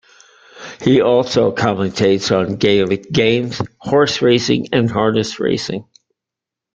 He also commentates on Gaelic games, horse racing, and harness racing.